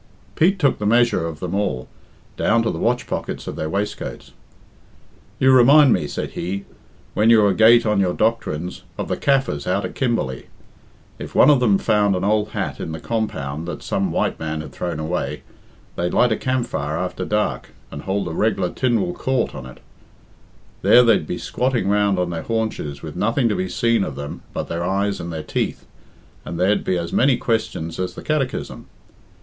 Pete took the measure of them all, down to the watch pockets of their waistcoats. "You remind me," said he, "when you're a gate on your doctrines, of the Kaffirs out at Kimberley. If one of them found an ould hat in the compound that some white man had thrown away, they'd light a camp fire after dark, and hould a reg'lar Tynwald Coort on it. There they'd be squatting round on their haunches, with nothing to be seen of them but their eyes and their teeth, and there'd be as many questions as the Catechism.